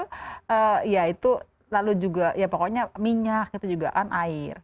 karena ya itu lalu juga ya pokoknya minyak itu juga kan air